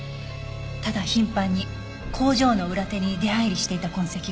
ただ頻繁に工場の裏手に出入りしていた痕跡が。